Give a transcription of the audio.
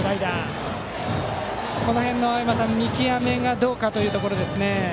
青山さん、この辺の見極めがどうかというところですね。